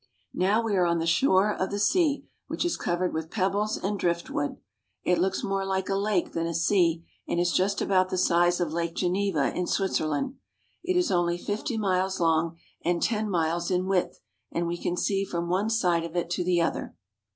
Now we are on the shore of the sea, which is covered with pebbles and driftwood. It looks more like a lake than a sea, and is just about the size of Lake Geneva in Switzerland. It is only fifty miles long and ten miles in width and we can see from one side of it to the other.